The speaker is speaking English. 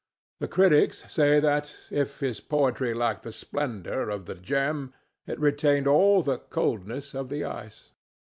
The critics say that, if his poetry lacked the splendor of the gem, it retained all the coldness of the ice.